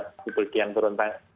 publik yang turun